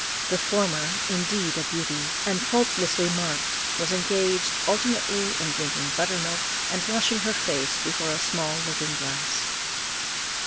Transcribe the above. The former, indeed a beauty, and faultlessly marked, was engaged alternately in drinking butter milk, and washing her face before a small looking glass.